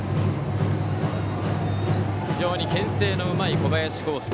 非常にけん制のうまい小林剛介。